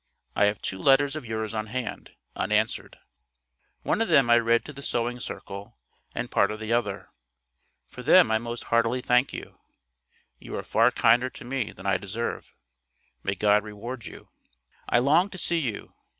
I have two letters of yours on hand, unanswered. One of them I read to the Sewing Circle; and part of the other. For them I most heartily thank you. You are far kinder to me than I deserve. May God reward you. I long to see you.